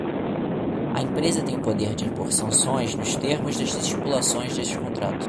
A empresa tem o poder de impor sanções nos termos das estipulações deste contrato.